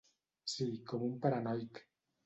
Sí, com un paranoic.